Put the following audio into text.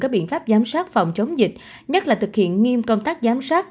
các biện pháp giám sát phòng chống dịch nhất là thực hiện nghiêm công tác giám sát